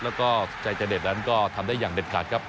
แล้วก็สุขชายใจเด็ดก็ทำได้อย่างเด็ดขาดครับ